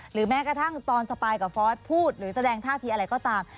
แม้กระทั่งตอนสปายกับฟอสพูดหรือแสดงท่าทีอะไรก็ตาม